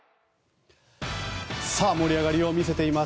盛り上がりを見せています